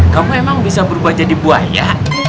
kamu emang bisa berubah jadi buaya